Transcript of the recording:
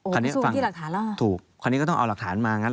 ไม่สู้ที่หลักฐานแล้วหรอถูกคราวนี้ก็ต้องเอาหลักฐานมา